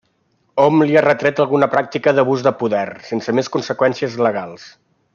Hom li ha retret alguna pràctica d'abús de poder, sense més conseqüències legals.